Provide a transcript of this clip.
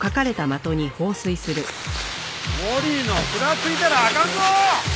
森野ふらついたらあかんぞ！